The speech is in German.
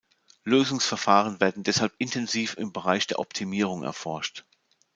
Lösungsverfahren werden deshalb intensiv im Bereich der Optimierung erforscht.